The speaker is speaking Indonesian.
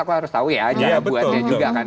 aku harus tahu ya jangan buatnya juga kan